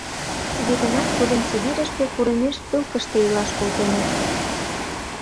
Туге гынат, тудым Сибирьышке, курымеш ссылкыште илаш, колтеныт.